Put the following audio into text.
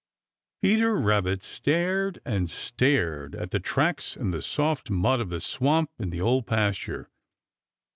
Peter Rabbit stared and stared at the tracks in the soft mud of the swamp in the Old Pasture.